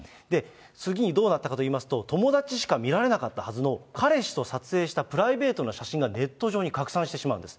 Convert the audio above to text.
次にどうなったかといいますと、友達しか見られなかったはずの彼氏と撮影したプライベートな写真がネット上に拡散してしまうんです。